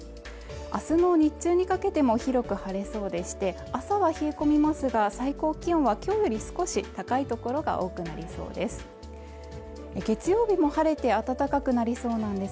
明日の日中にかけても広く晴れそうでして朝は冷え込みますが最高気温はきょうより少し高い所が多くなりそうです